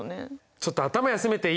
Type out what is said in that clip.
ちょっと頭休めていい？